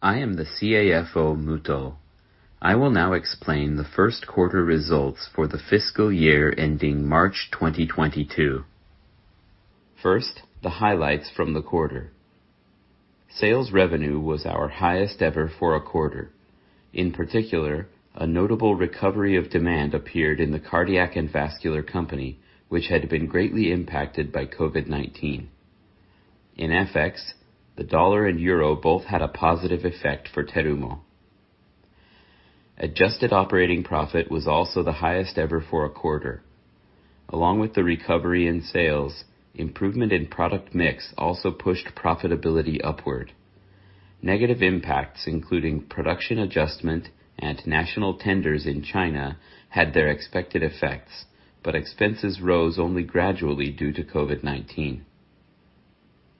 I am the [inaudible] CFO, Jin Hagimoto. I will now explain the first quarter results for the fiscal year ending March 2022. First, the highlights from the quarter. Sales revenue was our highest ever for a quarter. In particular, a notable recovery of demand appeared in the Cardiac and Vascular Company, which had been greatly impacted by COVID-19. In FX, the dollar and euro both had a positive effect for Terumo. Adjusted operating profit was also the highest ever for a quarter. Along with the recovery in sales, improvement in product mix also pushed profitability upward. Negative impacts, including production adjustment and national tenders in China, had their expected effects, expenses rose only gradually due to COVID-19.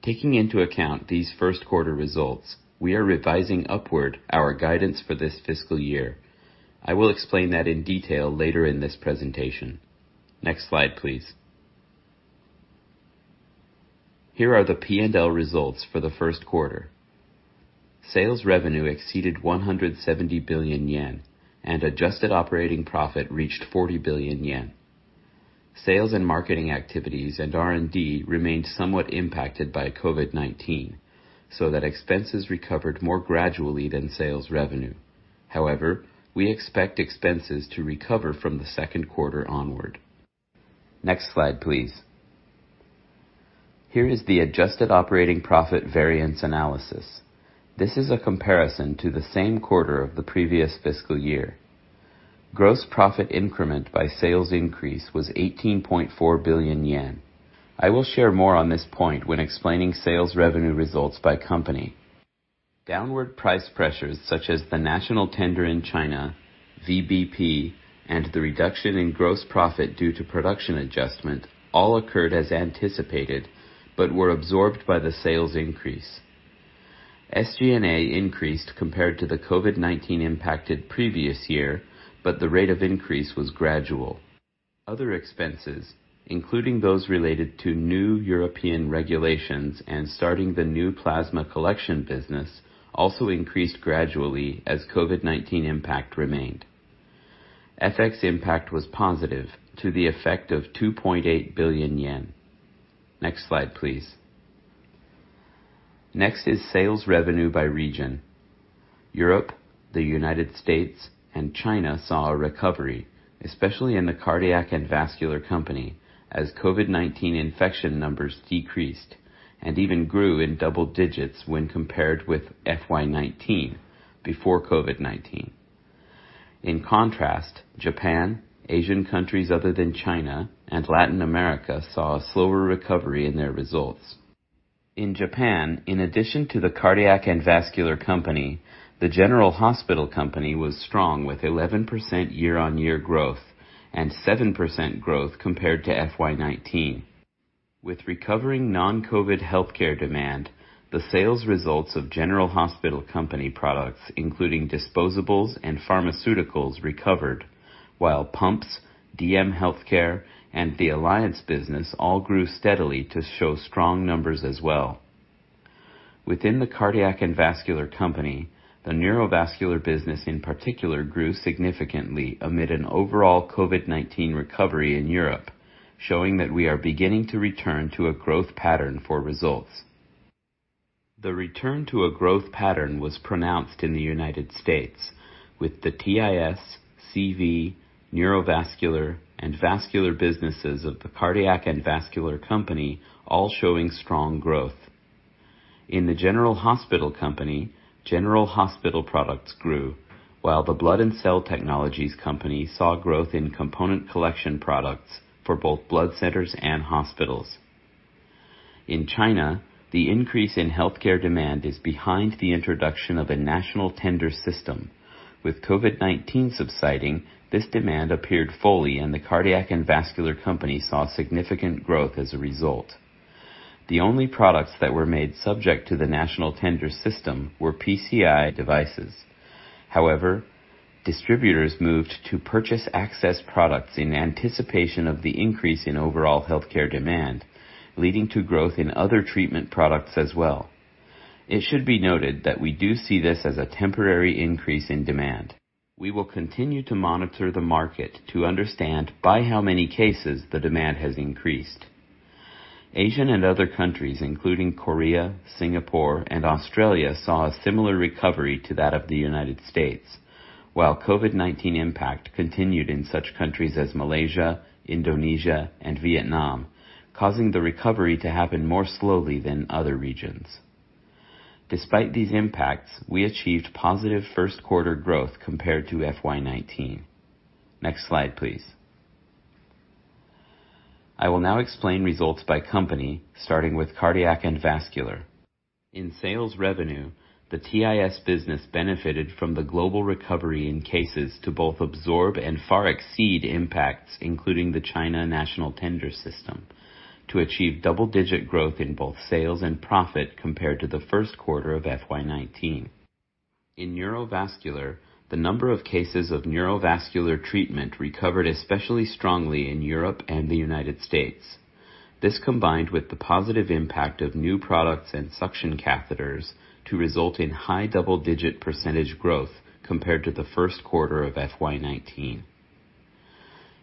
Taking into account these first quarter results, we are revising upward our guidance for this fiscal year. I will explain that in detail later in this presentation. Next slide, please. Here are the P&L results for the first quarter. Sales revenue exceeded 170 billion yen and adjusted operating profit reached 40 billion yen. Sales and marketing activities and R&D remained somewhat impacted by COVID-19, so that expenses recovered more gradually than sales revenue. However, we expect expenses to recover from the second quarter onward. Next slide, please. Here is the adjusted operating profit variance analysis. This is a comparison to the same quarter of the previous fiscal year. Gross profit increment by sales increase was 18.4 billion yen. I will share more on this point when explaining sales revenue results by company. Downward price pressures such as the national tender in China, VBP, and the reduction in gross profit due to production adjustment all occurred as anticipated but were absorbed by the sales increase. SG&A increased compared to the COVID-19-impacted previous year, but the rate of increase was gradual. Other expenses, including those related to new European regulations and starting the new plasma collection business, also increased gradually as COVID-19 impact remained. FX impact was positive to the effect of 2.8 billion yen. Next slide, please. Next is sales revenue by region. Europe, the U.S., and China saw a recovery, especially in the Cardiac and Vascular Company, as COVID-19 infection numbers decreased and even grew in double digits when compared with FY 2019, before COVID-19. In contrast, Japan, Asian countries other than China, and Latin America saw a slower recovery in their results. In Japan, in addition to the Cardiac and Vascular Company, the General Hospital Company was strong with 11% year-on-year growth and 7% growth compared to FY 2019. With recovering non-COVID-19 healthcare demand, the sales results of General Hospital Company products, including disposables and pharmaceuticals, recovered, while pumps, DM Healthcare, and the alliance business all grew steadily to show strong numbers as well. Within the Cardiac and Vascular Company, the neurovascular business in particular grew significantly amid an overall COVID-19 recovery in Europe, showing that we are beginning to return to a growth pattern for results. The return to a growth pattern was pronounced in the United States with the TIS, CV, neurovascular, and vascular businesses of the Cardiac and Vascular Company all showing strong growth. In the General Hospital Company, general hospital products grew while the Blood and Cell Technologies Company saw growth in component collection products for both blood centers and hospitals. In China, the increase in healthcare demand is behind the introduction of a national tender system. With COVID-19 subsiding, this demand appeared fully, and the Cardiac and Vascular Company saw significant growth as a result. The only products that were made subject to the national tender system were PCI devices. However, distributors moved to purchase access products in anticipation of the increase in overall healthcare demand, leading to growth in other treatment products as well. It should be noted that we do see this as a temporary increase in demand. We will continue to monitor the market to understand by how many cases the demand has increased. Asian and other countries, including Korea, Singapore, and Australia, saw a similar recovery to that of the United States. While COVID-19 impact continued in such countries as Malaysia, Indonesia, and Vietnam, causing the recovery to happen more slowly than other regions. Despite these impacts, we achieved positive first quarter growth compared to FY 2019. Next slide, please. I will now explain results by company starting with Cardiac and Vascular. In sales revenue, the TIS business benefited from the global recovery in cases to both absorb and far exceed impacts, including the China National Tender system, to achieve double-digit growth in both sales and profit compared to the first quarter of FY 2019. In neurovascular, the number of cases of neurovascular treatment recovered especially strongly in Europe and the United States. This combined with the positive impact of new products and suction catheters to result in high double-digit percentage growth compared to the first quarter of FY 2019.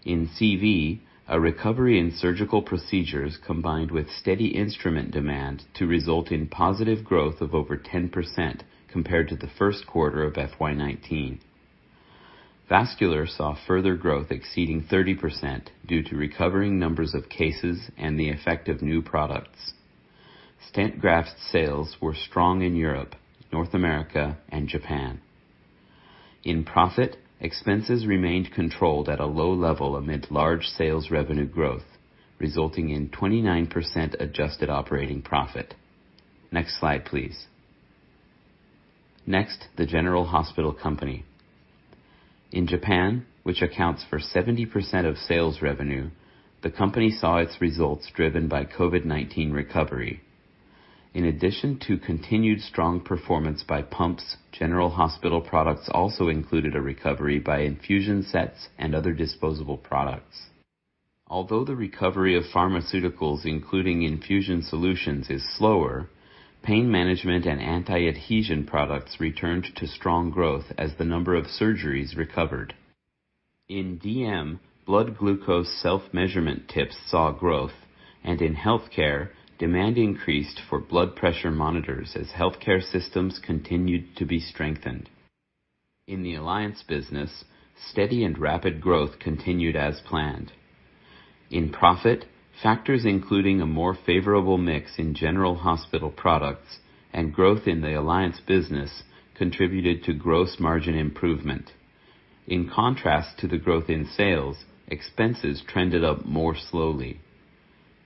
In CV, a recovery in surgical procedures combined with steady instrument demand to result in positive growth of over 10% compared to the first quarter of FY 2019. Vascular saw further growth exceeding 30% due to recovering numbers of cases and the effect of new products. Stent grafts sales were strong in Europe, North America, and Japan. In profit, expenses remained controlled at a low level amid large sales revenue growth, resulting in 29% adjusted operating profit. Next slide, please. Next, the General Hospital Company. In Japan, which accounts for 70% of sales revenue, the company saw its results driven by COVID-19 recovery. In addition to continued strong performance by pumps, General Hospital products also included a recovery by infusion sets and other disposable products. Although the recovery of pharmaceuticals, including infusion solutions, is slower, pain management and anti-adhesion products returned to strong growth as the number of surgeries recovered. In DM, blood glucose self-measurement tips saw growth, and in healthcare, demand increased for blood pressure monitors as healthcare systems continued to be strengthened. In the alliance business, steady and rapid growth continued as planned. In profit, factors including a more favorable mix in General Hospital products and growth in the alliance business contributed to gross margin improvement. In contrast to the growth in sales, expenses trended up more slowly.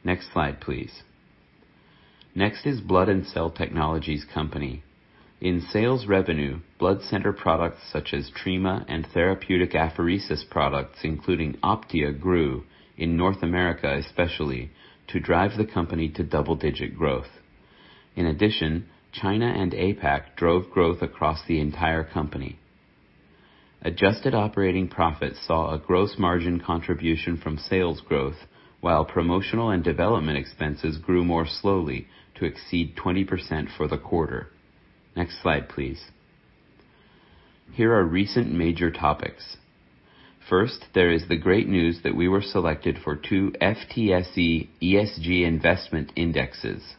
Next slide, please. Next is Blood and Cell Technologies Company. In sales revenue, blood center products such as Trima and therapeutic apheresis products, including Optia, grew in North America especially to drive the company to double-digit growth. In addition, China and APAC drove growth across the entire company. Adjusted operating profits saw a gross margin contribution from sales growth, while promotional and development expenses grew more slowly to exceed 20% for the quarter. Next slide, please. Here are recent major topics. First, there is the great news that we were selected for two FTSE ESG investment indexes.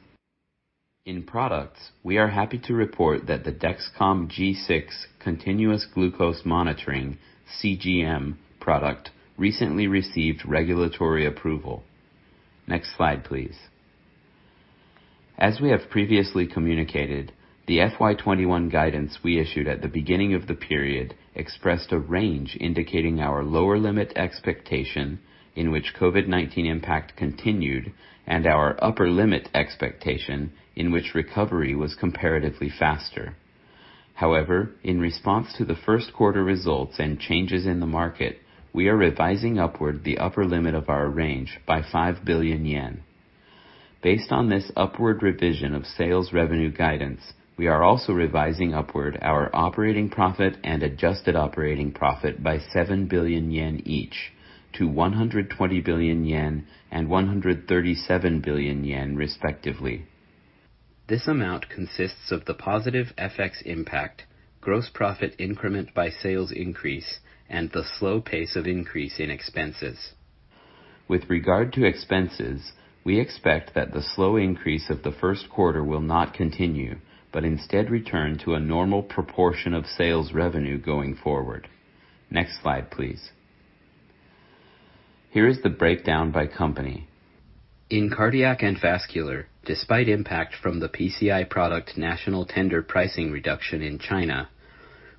In products, we are happy to report that the Dexcom G6 continuous glucose monitoring CGM product recently received regulatory approval. Next slide, please. As we have previously communicated, the FY 2021 guidance we issued at the beginning of the period expressed a range indicating our lower limit expectation in which COVID-19 impact continued, and our upper limit expectation in which recovery was comparatively faster. However, in response to the first quarter results and changes in the market, we are revising upward the upper limit of our range by 5 billion yen. Based on this upward revision of sales revenue guidance, we are also revising upward our operating profit and adjusted operating profit by 7 billion yen each to 120 billion yen and 137 billion yen, respectively. This amount consists of the positive FX impact, gross profit increment by sales increase, and the slow pace of increase in expenses. With regard to expenses, we expect that the slow increase of the first quarter will not continue but instead return to a normal proportion of sales revenue going forward. Next slide, please. Here is the breakdown by company. In Cardiac and Vascular, despite impact from the PCI product national tender pricing reduction in China,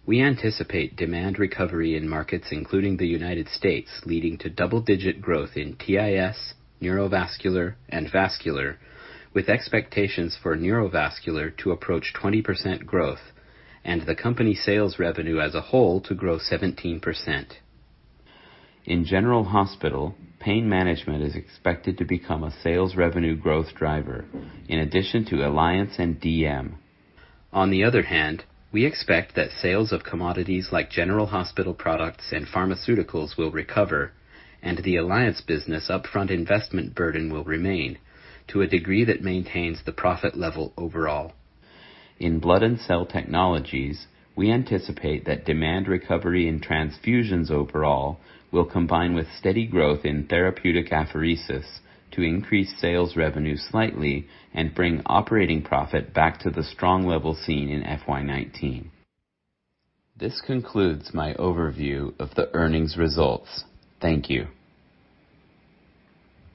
we anticipate demand recovery in markets including the United States, leading to double-digit growth in TIS, neurovascular, and vascular, with expectations for neurovascular to approach 20% growth and the company sales revenue as a whole to grow 17%. In General Hospital, pain management is expected to become a sales revenue growth driver in addition to alliance and DM. On the other hand, we expect that sales of commodities like General Hospital products and pharmaceuticals will recover and the alliance business upfront investment burden will remain to a degree that maintains the profit level overall. In Blood and Cell Technologies, we anticipate that demand recovery in transfusions overall will combine with steady growth in therapeutic apheresis to increase sales revenue slightly and bring operating profit back to the strong level seen in FY 2019. This concludes my overview of the earnings results. Thank you.